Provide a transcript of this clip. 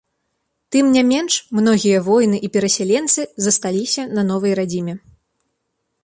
Тым не менш, многія воіны і перасяленцы засталіся на новай радзіме.